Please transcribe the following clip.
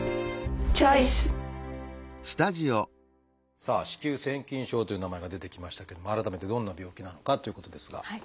さあ「子宮腺筋症」という名前が出てきましたけども改めてどんな病気なのかっていうことですが。